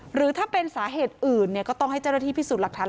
หรือถ้าเป็นสาเหตุอื่นก็ต้องให้เจ้าหน้าที่พิสูจน์หลักฐาน